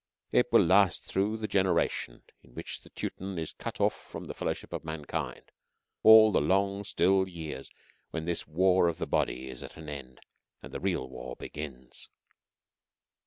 It will last through the generation in which the Teuton is cut off from the fellowship of mankind all the long, still years when this war of the body is at an end, and the real war begins.